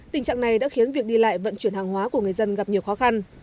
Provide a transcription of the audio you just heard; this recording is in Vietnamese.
tình trạng này đã khiến việc đi lại vận chuyển hàng hóa của người dân gặp nhiều khó khăn